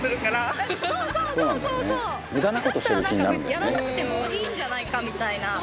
だったら別にやらなくてもいいんじゃないかみたいな。